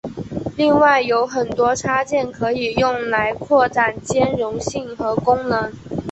另外有很多插件可以用来扩展兼容性和功能。